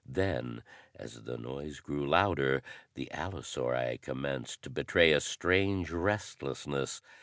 Then, as the noise grew louder, the allosauri commenced to betray a strange restlessness.